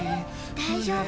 大丈夫。